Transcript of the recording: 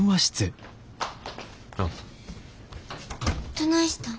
どないしたん？